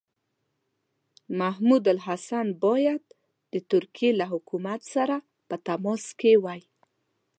محمودالحسن باید د ترکیې له حکومت سره په تماس کې وای.